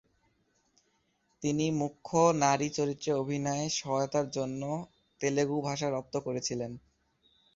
তিনি মুখ্য নারী চরিত্রে অভিনয়ে সহায়তার জন্য তেলুগু ভাষা রপ্ত করেছিলেন।